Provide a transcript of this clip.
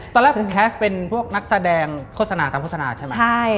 ตอนแรกผมแคสต์เป็นพวกนักแสดงโฆษณาตามโฆษณาใช่ไหม